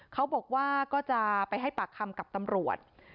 เขาบอกว่าก็จะไปให้ปากคำกับตำรวจ